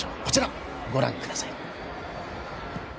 こちらご覧ください。